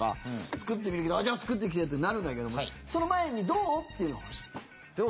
作ってみるけどじゃあ、作ってきてってなるけどその前にどう？っていうのが欲しいな。